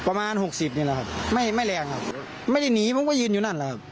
ประมาณหกสิบนี่แหละครับไม่ไม่แรงครับไม่ได้หนีผมก็ยืนอยู่นั่นแหละครับ